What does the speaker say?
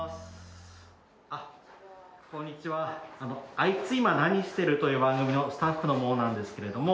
『あいつ今何してる？』という番組のスタッフの者なんですけれども。